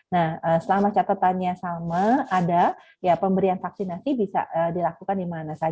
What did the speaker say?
nah selama catatannya sama ada ya pemberian vaksinasi bisa dilakukan dimana saja